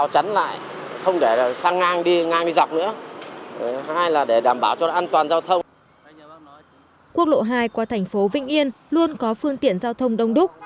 quốc lộ hai qua thành phố vĩnh yên luôn có phương tiện giao thông đông đúc